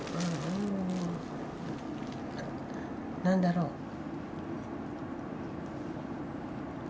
何だろう。